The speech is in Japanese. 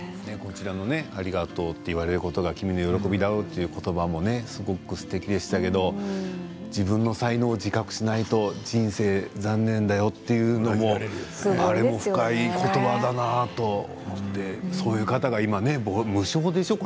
ありがとうって言われることが君の喜びだろうという言葉もすごくすてきでしたけど自分の才能を自覚しないと人生残念だよというのもあれも深い言葉だなとそういう方が今、無償でしょう？